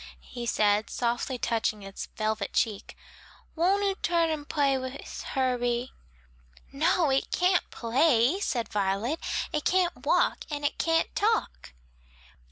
he said, softly touching its velvet cheek. "Won't 'oo tum and pay wis Herbie?" "No, it can't play," said Violet, "it can't walk and it can't talk."